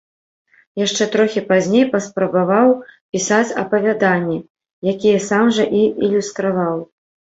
Яшчэ трохі пазней паспрабаваў пісаць апавяданні, якія сам жа і ілюстраваў.